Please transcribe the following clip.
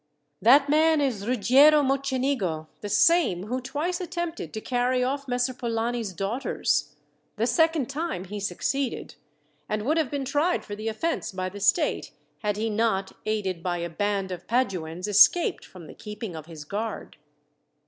"That man is Ruggiero Mocenigo the same who twice attempted to carry off Messer Polani's daughters. The second time he succeeded, and would have been tried for the offence by the state had he not, aided by a band of Paduans, escaped from the keeping of his guard."